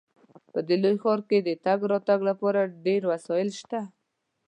په دې لوی ښار کې د تګ راتګ لپاره ډیر وسایل شته